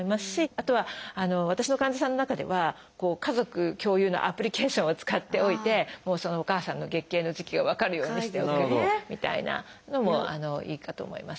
あとは私の患者さんの中では家族共有のアプリケーションを使っておいてそのお母さんの月経の時期を分かるようにしておけるみたいなのもいいかと思います。